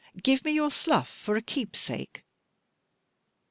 Give me your slough for a keepsake?"